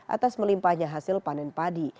atas melimpahnya hasil panen padi